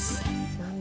何だ？